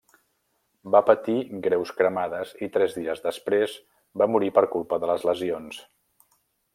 Va patir greus cremades i, tres dies després, va morir per culpa de les lesions.